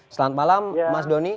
selamat malam mas doni